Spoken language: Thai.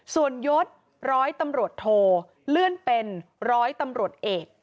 ส่วนยศร้อยตำรวจโทเลื่อนเป็นร้อยตำรวจเอก